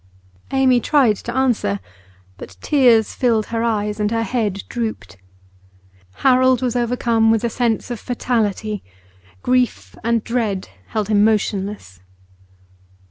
Amy tried to answer, but tears filled her eyes and her head drooped. Harold was overcome with a sense of fatality; grief and dread held him motionless.